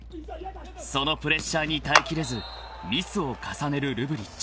［そのプレッシャーに耐えきれずミスを重ねるルブリッチ］